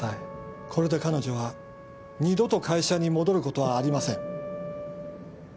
これで彼女は二度と会社に戻ることはありません。